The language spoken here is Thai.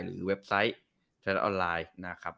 เว็บไซต์ไทยรัฐออนไลน์นะครับ